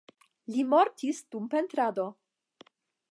Li mortis dum pentrado.